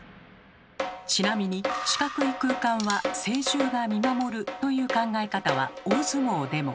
ちなみに「四角い空間は聖獣が見守る」という考え方は大相撲でも。